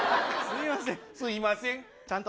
すいません。